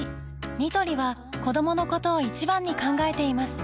ニトリは子どものことを一番に考えています